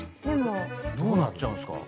どうなっちゃうんすか？